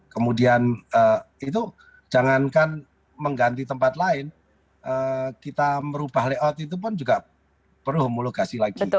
kemudian itu jangankan mengganti tempat lain kita merubah layout itu pun juga perlu homologasi lagi